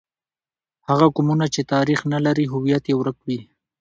هغه قومونه چې تاریخ نه لري، هویت یې ورک وي.